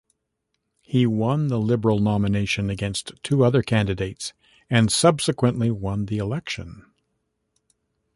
He won the Liberal nomination against two other candidates and subsequently won the election.